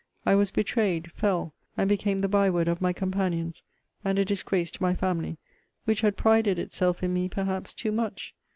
I was betrayed, fell, and became the by word of my companions, and a disgrace to my family, which had prided itself in me perhaps too much.